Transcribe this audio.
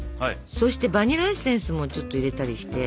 そしてバニラエッセンスもちょっと入れたりして。